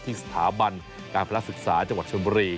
ที่สถาบันการพลักษณะศึกษาจังหวัดชนบรี